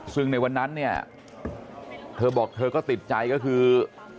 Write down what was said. ซึ่งในวันนั้นเนี่ยเธอบอกเธอก็ติดใจก็คือ